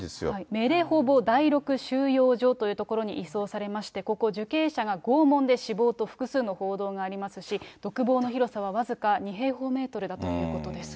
メレホボ第６収容所という所に移送されまして、ここ、受刑者が拷問で死亡と、複数の報道がありますし、独房の広さは僅か２平方メートルだということです。